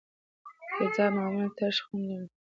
تیزاب معمولا ترش خوند لري.